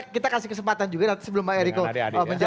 kita kasih kesempatan juga nanti sebelum pak eriko menjawab